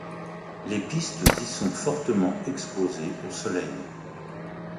Les pistes y sont fortement exposées au soleil.